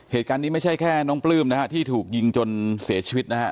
เหตุการณ์นี้ไม่ใช่แค่น้องปลื้มนะฮะที่ถูกยิงจนเสียชีวิตนะฮะ